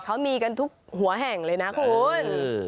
เขามีกันทุกหัวแห่งเลยนะคุณ